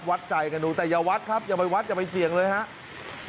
วัดใจกันดูแต่อย่าวัดครับอย่าไปวัดอย่าไปเสี่ยงเลยครับ